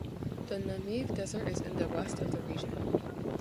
The Namib Desert is in the west of the region.